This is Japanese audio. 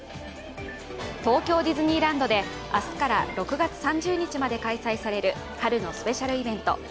東京ディズニーランドで明日から６月３０日まで開催される春のスペシャルイベント